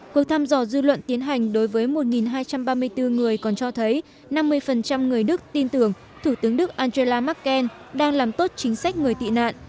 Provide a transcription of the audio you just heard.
cuộc thăm dò dư luận tiến hành đối với một hai trăm ba mươi bốn người còn cho thấy năm mươi người đức tin tưởng thủ tướng đức angela merkel đang làm tốt chính sách người tị nạn